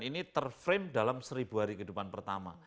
ini terframe dalam seribu hari kehidupan pertama